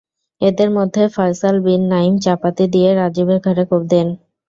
এঁদের মধ্যে ফয়সাল বিন নাইম চাপাতি দিয়ে রাজীবের ঘাড়ে কোপ দেন।